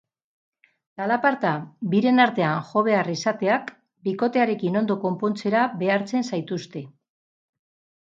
Txalaparta biren artean jo behar izateak bikotearekin ondo konpontzera behartzen zaituzte.